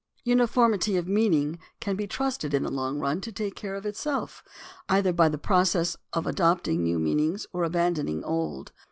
Uniformity of meaning can be trusted in the long run to take care of itself, either by the process of adopt ing new meanings or abandoning old.